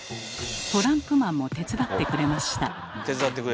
トランプマンも手伝ってくれました。